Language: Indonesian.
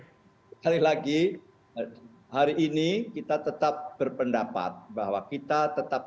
sekali lagi hari ini kita tetap berpendapat bahwa kita tetap